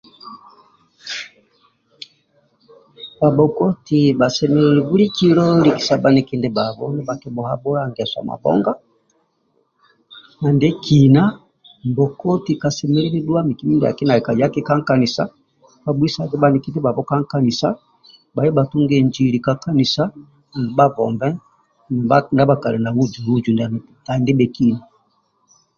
Bhabhokoti bhasemelelu bulikilo likisa bhaniki ndibhabho nibhakibhuhabhula ngeso mabhonga na ndie kina mbokoti kasemelelu dhuwa miki mindiaki kayaki ka nkanisa bhabhuisage bhaniki ndibhabho ka nkanisa bhaye bhatunge njili ka nkanisa andulu bhabombe ndia bhakali na buju buju tabhi ndibhekina